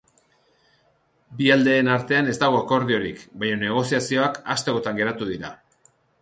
Bi aldeen artean ez dago akordiorik, baina negoziazioak hastekotan geratu dira.